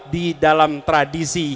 di dalam tradisi